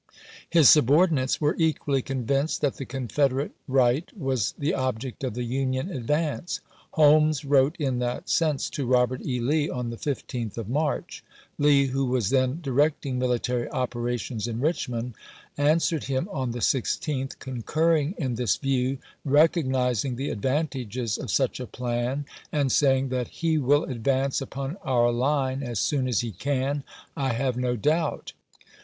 His subordinates were equally convinced that the Confederate right was the object of the Union advance; Holmes wrote in that sense to Robert E. Lee on the 15th of March. Lee, who was then directing military 1862. operations in Richmond, answered him on the 16th, concurring in this view, recognizing the "ad vantages" of such a plan, and saying, "that he will advance upon our line as soon as he can, I have no doubt."